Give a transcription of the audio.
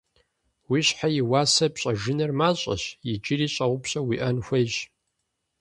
Уи щхьэ и уасэр пщӏэжыныр мащӏэщ - иджыри щӏэупщӏэ уиӏэн хуейщ.